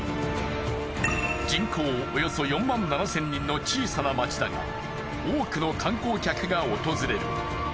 人口およそ４万７千人の小さな街だが多くの観光客が訪れる。